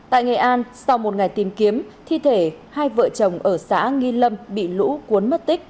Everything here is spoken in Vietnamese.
tại nghệ an sau một ngày tìm kiếm thi thể hai vợ chồng ở xã nghi lâm bị lũ cuốn mất tích